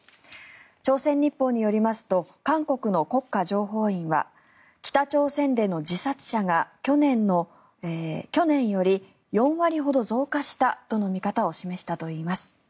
朝鮮日報によりますと韓国の国家情報院は北朝鮮での自殺者が去年より４割ほど増加したとの見方を示したといいます。